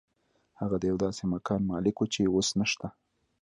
هغه د یو داسې مکان مالک و چې اوس نشته